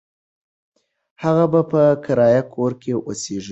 هغه به په کرایه کور کې اوسیږي.